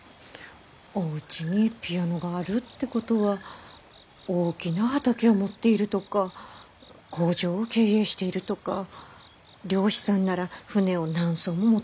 おうちにピアノがあるってことは大きな畑を持っているとか工場を経営しているとか漁師さんなら船を何艘も持っているとか。